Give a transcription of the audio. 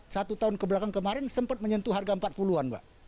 satu tahun kebelakang kemarin sempat menyentuh harga rp empat puluh pak